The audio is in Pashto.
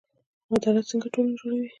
عدالت څنګه ټولنه جوړوي؟